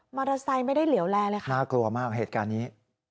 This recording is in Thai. มอเบอร์ไซส์ไม่ได้เหลวแร้เลยน่ากลัวมากเหตุการณ์นี้